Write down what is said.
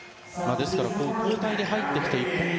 ですから交代で入ってきて１本目。